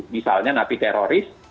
misalnya napi teroris